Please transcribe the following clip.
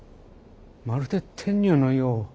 まるで天女のよう。